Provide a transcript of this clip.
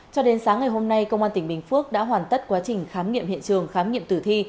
cho đến sáng ngày hôm nay công an tỉnh bình phước đã hoàn tất quá trình khám nghiệm hiện trường khám nghiệm tử thi